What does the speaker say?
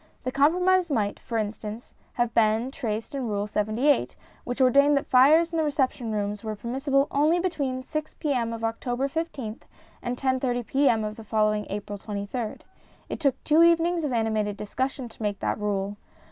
The compromise might, for instance, have been traced in Rule 78, which ordained that fires in the reception rooms were permissible only between 6 P.M. of October I5th and 10.30 P.M. of the following April 23rd. It took two evenings of animated discussion to make that rule.